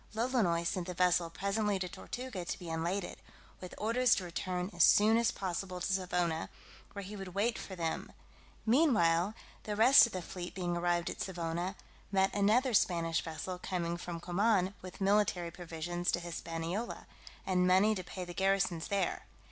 Lolonois sent the vessel presently to Tortuga to be unladed, with orders to return as soon as possible to Savona, where he would wait for them: meanwhile, the rest of the fleet being arrived at Savona, met another Spanish vessel coming from Coman, with military provisions to Hispaniola, and money to pay the garrisons there.